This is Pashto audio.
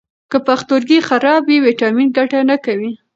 که پښتورګي خراب وي، ویټامین ګټه نه کوي.